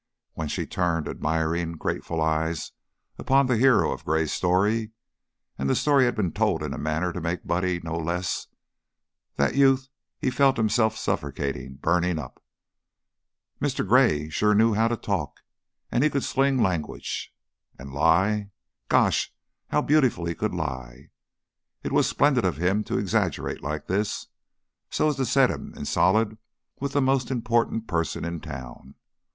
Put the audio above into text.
When she turned admiring, grateful eyes upon the hero of Gray's story and the story had been told in a manner to make Buddy no less that youth felt himself suffocating, burning up. Mr. Gray sure knew how to talk; he could sling language. And lie ! Gosh, how beautifully he could lie! It was splendid of him to exaggerate like this, so as to set him in solid with the most important person in town.